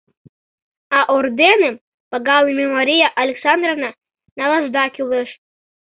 А орденым, пагалыме Мария Александровна, налашда кӱлеш.